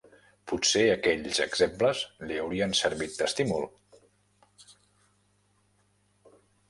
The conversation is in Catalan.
Potser aquells exemples li haurien servit d'estímul